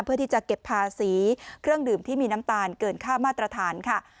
เพื่อที่จะเก็บภาษีเครื่องดื่มที่มีน้ำตาลเกินค่ามาตรฐานค่ะ